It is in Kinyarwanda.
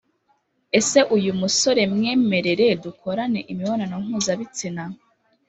Ese uyu musore mwemerere dukorane imibonano mpuzabistina